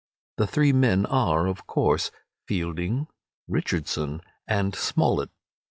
The three men are, of course, Fielding, Richardson, and Smollett.